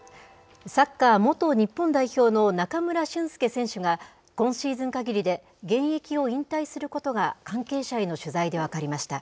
サッカー元日本代表の中村俊輔選手が、今シーズンかぎりで現役を引退することが関係者への取材で分かりました。